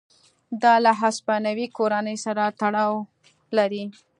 دا له هسپانوي کورنۍ سره تړاو لري.